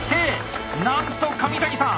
なんと上谷さん